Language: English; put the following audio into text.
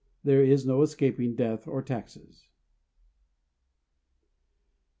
There is no escaping death or taxes.